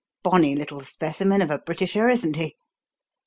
Bonny little specimen of a Britisher, isn't he?"